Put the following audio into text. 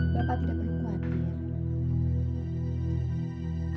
bapak tidak perlu khawatir